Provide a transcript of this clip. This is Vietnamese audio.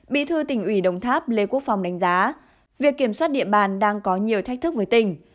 bí thư tỉnh ủy đồng tháp lê quốc phòng đánh giá việc kiểm soát địa bàn đang có nhiều thách thức với tỉnh